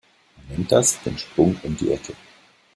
Man nennt das den „Sprung um die Ecke“.